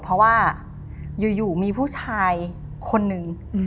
เพราะว่าอยู่มีผู้ชายคนนึง